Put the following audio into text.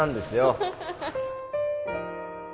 ハハハ